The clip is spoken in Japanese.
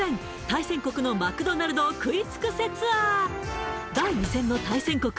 対戦国のマクドナルドを食い尽くせツアー第２戦の対戦国